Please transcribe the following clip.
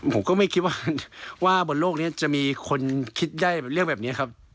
ผมก็ไม่คิดว่าบนโลกนี้จะมีคนคิดได้เรื่องแบบนี้ครับ